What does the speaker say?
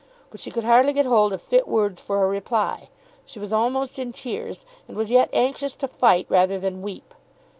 But she could hardly get hold of fit words for a reply. She was almost in tears, and was yet anxious to fight rather than weep.